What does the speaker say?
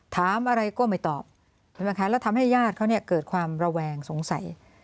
ถามอะไรก็ไม่ตอบแล้วทำให้ญาติเขาเกิดความระแวงสงสัย